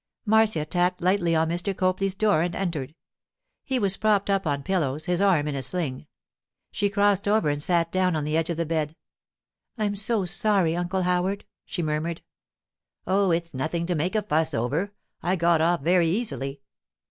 Marcia tapped lightly on Mr. Copley's door and entered. He was propped up on pillows, his arm in a sling. She crossed over and sat down on the edge of the bed. 'I'm so sorry, Uncle Howard,' she murmured. 'Oh, it's nothing to make a fuss over. I got off very easily.